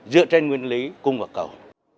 dựa trên nguyên lý cung và cầu